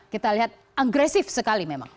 kita lihat agresif sekali memang